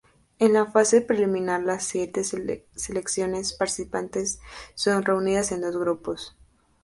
En la fase preliminar las siete selecciones participantes son reunidas en dos grupos.